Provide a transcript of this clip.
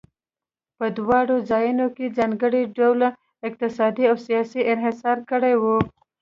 په دواړو ځایونو کې ځانګړو ډلو اقتصاد او سیاست انحصار کړی و.